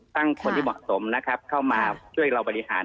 ตั้งคนที่เหมาะสมเข้ามาช่วยเราบริหาร